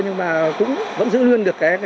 nhưng mà cũng vẫn giữ luôn được